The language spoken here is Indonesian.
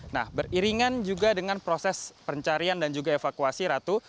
nah beriringan juga dengan proses pencarian dan juga evakuasi ratu